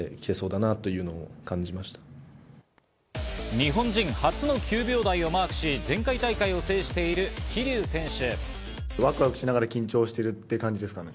日本人初の９秒台をマークし、前回大会を制している桐生選手。